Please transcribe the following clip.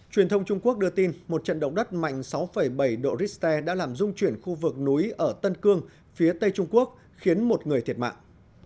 truyền thông trung quốc đưa tin một trận động đất mạnh sáu bảy độ richter đã làm rung chuyển khu vực núi ở tân cương phía tây trung quốc khiến một người thiệt mạng